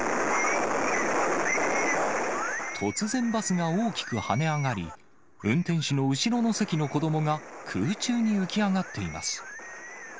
突然バスが大きく跳ね上がり、運転手の後ろの席の子どもが空中に浮き上がっています。